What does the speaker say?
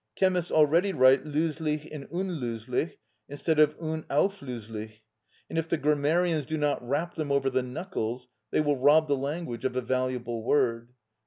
Chemists already write "löslich" and "unlöslich" instead of "unauflöslich," and if the grammarians do not rap them over the knuckles they will rob the language of a valuable word.